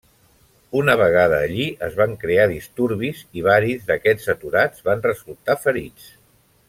Una vegada allí es van crear disturbis i varis d'aquests aturats van resultar ferits.